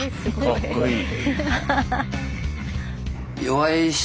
かっこいい。